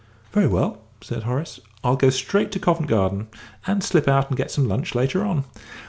"Very well," said Horace; "I'll go straight to Covent Garden, and slip out and get some lunch later on."